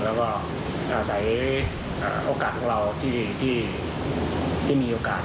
แล้วก็อาศัยโอกาสของเราที่มีโอกาส